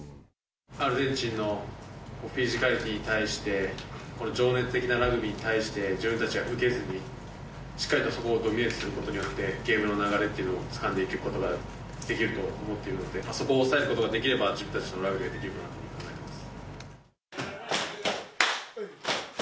アルゼンチンのフィジカリティーに対して、情熱的なラグビーに対して、自分たちが受けずに、しっかりとそこをドミネートすることによって、ゲームの流れっていうのをつかんでいくことができると思ってるので、そこを押さえることができれば、自分たちのラグビーができるかなと思います。